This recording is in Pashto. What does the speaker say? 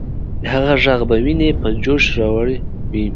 د هغې ږغ به ويني په جوش راوړلې وې.